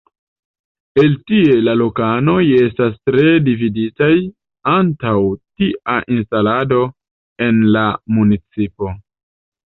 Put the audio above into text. El tie la lokanoj estas tre dividitaj antaŭ tia instalado en la municipo.